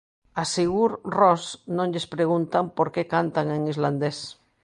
A Sigur Rós non lles preguntan por que cantan en islandés.